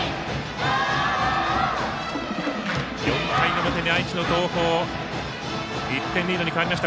４回の表に愛知の東邦１点リードに変わりました。